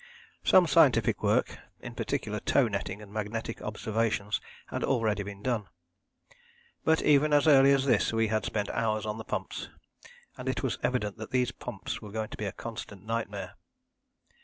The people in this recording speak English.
Some scientific work, in particular tow netting and magnetic observations, had already been done. But even as early as this we had spent hours on the pumps, and it was evident that these pumps were going to be a constant nightmare.